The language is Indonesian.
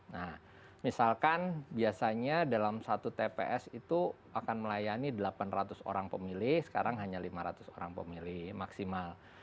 nah misalkan biasanya dalam satu tps itu akan melayani delapan ratus orang pemilih sekarang hanya lima ratus orang pemilih maksimal